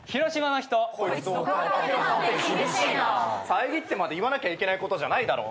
遮ってまで言わなきゃいけないことじゃないだろ。